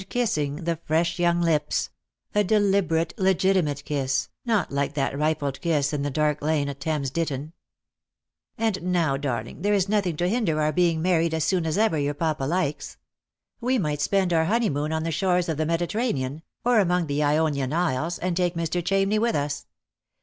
155 kissing the fresh young lips — a deliberate legitimate kiss, not like that rifled kiss in the dark lane at Thames Ditton. " And now, darling, there is nothing to hinder our being married as soon as ever your papa likes. We might spend our honeymoon on the shores of the Mediterranean, or among the Ionian Isles, and take Mr. Chamney with us.